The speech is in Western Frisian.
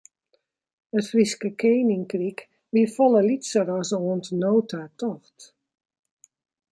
It Fryske keninkryk wie folle lytser as oant no ta tocht.